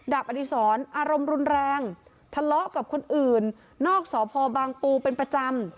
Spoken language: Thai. อดีศรอารมณ์รุนแรงทะเลาะกับคนอื่นนอกสพบางปูเป็นประจำ